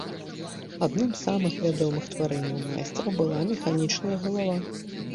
Адным з самых вядомых тварэнняў майстра была механічная галава.